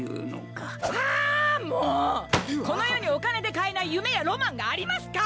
この世にお金で買えない夢やロマンがありますか！？